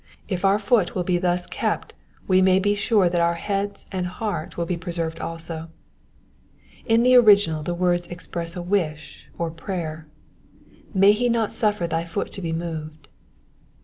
If our foot will be thus kept we may be sure that our head and heart will be preserved also. In the original the words express a wish or prayer, — May he not suffer thy foot to be moved."